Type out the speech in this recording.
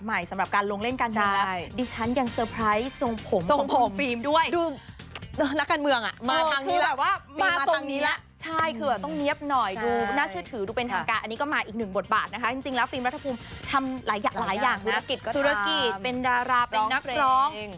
มีหลายอย่างธุรกิจเป็นดาราเป็นนักร้อง